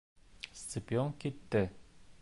Сципион китте.